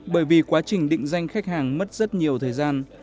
bởi vì quá trình định danh khách hàng mất rất nhiều thời gian